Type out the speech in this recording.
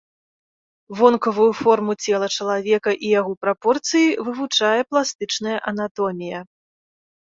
Вонкавую форму цела чалавека і яго прапорцыі вывучае пластычная анатомія.